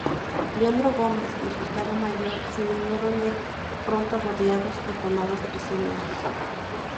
Leandro Gómez y su Estado Mayor se vieron de pronto rodeados y tomados prisioneros.